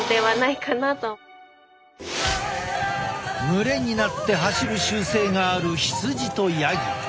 群れになって走る習性がある羊とヤギ。